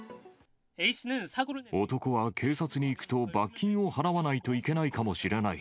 男は、警察に行くと罰金を払わないといけないかもしれない。